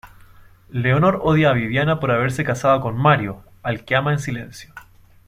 Leonor odia a Viviana por haberse casado con Mario, al que ama en silencio.